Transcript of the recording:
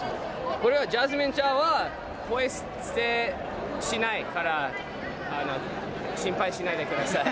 これはジャスミン茶はポイ捨てしないから、心配しないでください。